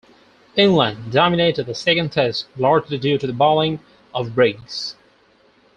England dominated the second Test, largely due to the bowling of Briggs.